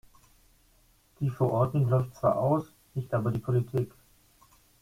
Die Verordnung läuft zwar aus, nicht aber die Politik.